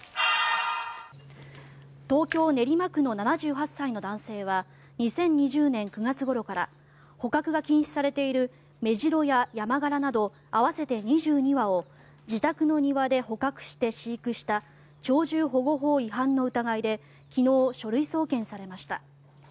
東京・練馬区の７８歳の男性は２０２０年９月ごろから捕獲が禁止されているメジロやヤマガラなど合わせて２２羽を自宅の庭で捕獲して飼育した鳥獣保護法違反の疑いで昨日、書類送検されました。